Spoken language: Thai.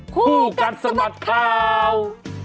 คู่กันสมัติครับ